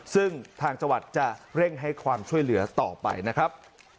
ซึ่งทางจังหวัดจะเร่งให้ความช่วยเหลือต่อไปนะครับ